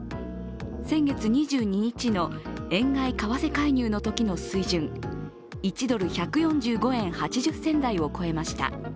先月２２日の円買い為替介入のときの水準１ドル＝１４５円８０銭台を超えました。